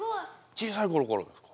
小さい頃からですか？